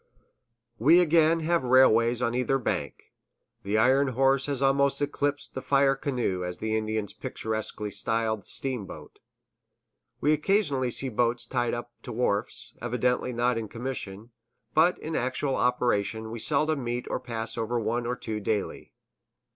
We again have railways on either bank. The iron horse has almost eclipsed the "fire canoe," as the Indians picturesquely styled the steamboat. We occasionally see boats tied up to the wharves, evidently not in commission; but, in actual operation, we seldom meet or pass over one or two daily.